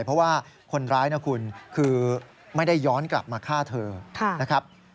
เพราะว่าคนร้ายนะคุณคือไม่ได้ย้อนกลับมาฆ่าเธอนะครับ